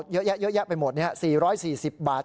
เยอะแยะไปหมดเนี่ย๔๔๐บาท